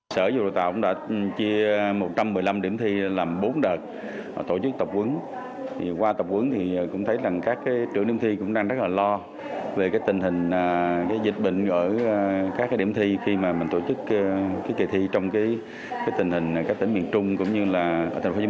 sở giáo dục đào tạo tp hcm đã tiến hành tập hướng cho lãnh đạo các điểm thi tốt nghiệp trung học phổ thông